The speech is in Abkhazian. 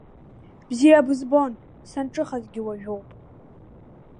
Бзиа бызбон, санҿыхазгьы уажәоуп.